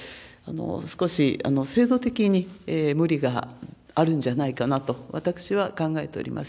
少し制度的に無理があるんじゃないかなと、私は考えております。